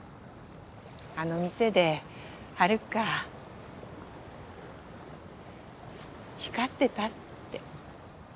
あの店でハルカ光ってたって。